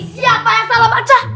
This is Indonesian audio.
siapa yang salah baca